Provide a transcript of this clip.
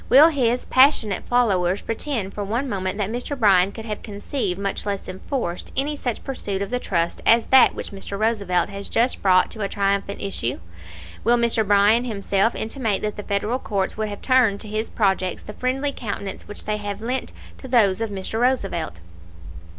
Will his most passionate followers pretend for one moment that Mr. Bryan could have conceived, much less enforced, any such pursuit of the trusts as that which Mr. Roosevelt has just brought to a triumphant issue? Will Mr. Bryan himself intimate that the Federal courts would have turned to his projects the friendly countenance which they have lent to those of Mr. Roosevelt?